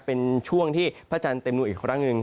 เป็นช่วงที่พระจันทร์เต็มดวงอีกครั้งหนึ่ง